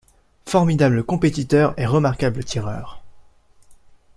Formidable compétiteur et remarquable tireur.